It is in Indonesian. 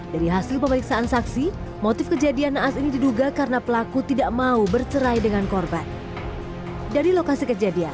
dari hasil pemeriksaan saksi motif kejadian naas ini diduga karena pelaku tidak mau bercerai dengan korban